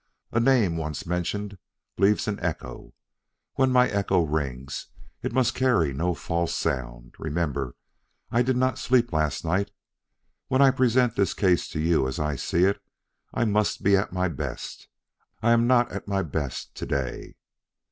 A name once mentioned leaves an echo. When my echo rings, it must carry no false sound. Remember, I did not sleep last night. When I present this case to you as I see it, I must be at my best. I am not at my best to day."